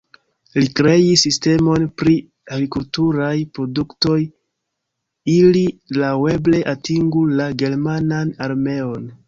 Li kreis sistemon pri agrikulturaj produktoj, ili laŭeble atingu la germanan armeon.